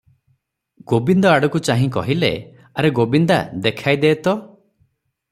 ଗୋବିନ୍ଦ ଆଡ଼କୁ ଚାହିଁ କହିଲେ, "ଆରେ ଗୋବିନ୍ଦା ଦେଖାଇ ଦେ ତ ।"